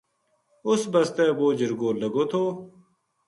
اس بسطے وہ جرگو لگو تھو